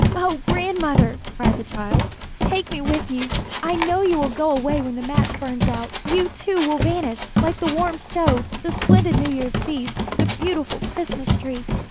"Oh, grandmother," cried the child, "take me with you. I know you will go away when the match burns out. You, too, will vanish, like the warm stove, the splendid New Year's feast, the beautiful Christmas Tree."